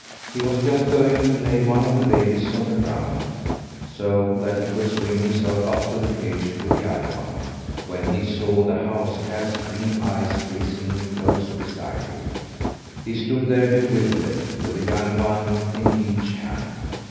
He was just going to lay one of the babies on the ground so that he could swing himself up to the cage with the other one when he saw the house cat's green eyes glisten close beside him. He stood there, bewildered, with a young one in each hand.